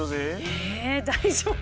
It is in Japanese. え大丈夫？